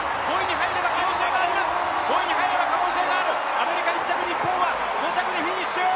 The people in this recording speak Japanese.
アメリカ１着、日本は５着でフィニッシュ。